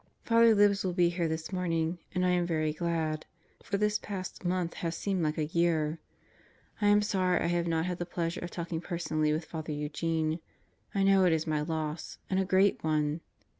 Father Libs will be here this morning, and I am very glad. For this past month has seemed like a year. I am sorry I have not had the pleasure of talking personally with Father Eugene. I know it is my loss and a great one!